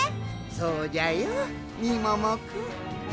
そうじゃよみももくん。